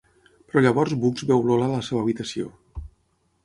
Però llavors Bugs veu Lola a la seva habitació.